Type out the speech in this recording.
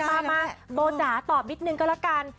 อ้าวมาโบด่าตอบนิดนึงก็ละกัน